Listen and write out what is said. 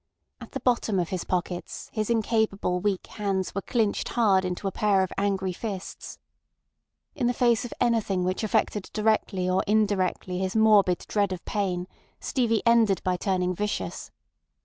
At the bottom of his pockets his incapable weak hands were clinched hard into a pair of angry fists. In the face of anything which affected directly or indirectly his morbid dread of pain, Stevie ended by turning vicious.